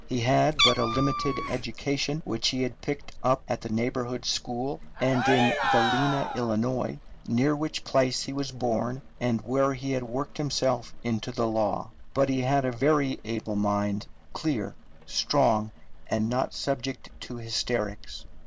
He had but a limited education, which he had picked up at the neighbourhood school and in Galena, Ill., near which place he was born and where he had worked himself into the law; but he had a very able mind, clear, strong, and not subject to hysterics.